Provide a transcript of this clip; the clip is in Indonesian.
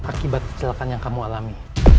akibat kecelakaan yang kamu alami